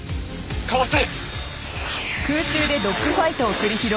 かわせ！